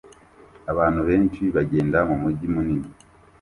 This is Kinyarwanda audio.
Abantu benshi bagenda mumujyi munini